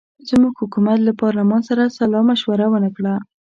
زموږ حکومت له پارلمان سره سلامشوره ونه کړه.